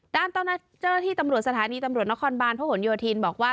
ด้านเจ้าหน้าที่ตำรวจสถานีตำรวจนครบาลพระหลโยธินบอกว่า